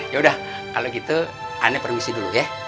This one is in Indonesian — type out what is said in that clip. yaudah kalo gitu aneh permisi dulu ya